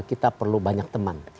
kita perlu banyak teman